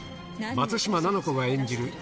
松嶋菜々子が演じる